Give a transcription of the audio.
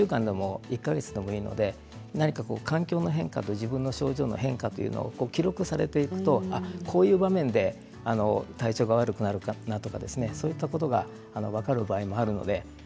１週間でも１か月でもいいので環境の変化と自分の症状の変化を記録されていくとこういう場面で体調が悪くなるんだとかそういったことが分かる場合があります。